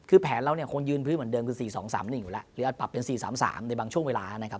คือแผนเราเนี่ยคงยืนพื้นเหมือนเดิมคือ๔๒๓๑อยู่แล้วหรืออาจปรับเป็น๔๓๓ในบางช่วงเวลานะครับ